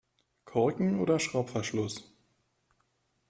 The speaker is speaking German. Korken oder Schraubverschluss?